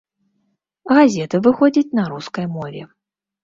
Газета выходзіць на рускай мове.